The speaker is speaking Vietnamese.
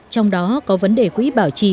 trong đó có vấn đề quỹ bảo trì